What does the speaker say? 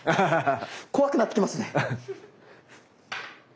怖くなってきますね。